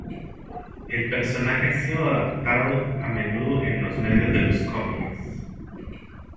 El personaje ha sido adaptado a menudo en los medios de los cómics.